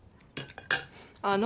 あの。